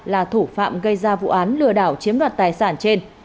là thủ phạm gây ra vụ án lừa đảo chiếm đoạt tài sản trên